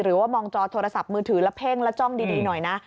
หรือว่ามองจอโทรศัพท์มือถือแล้วเพ่งแล้วจ้องดีหน่อยนะ